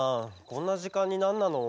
こんなじかんになんなの？